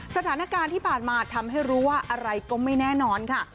สถานการณ์ที่ผ่านมาทำให้รู้ว่าอะไรก็ไม่แน่นอนค่ะ